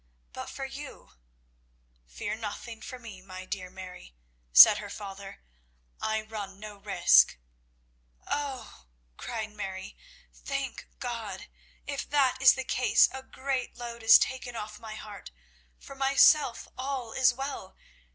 But for you " "Fear nothing for me, my dear Mary," said her father, "I run no risk " "Oh," cried Mary, "thank God! If that is the case, a great load is taken off my heart. For myself, all is well.